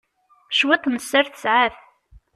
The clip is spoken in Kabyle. Cwiṭ n sser tesɛa-t.